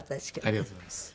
ありがとうございます。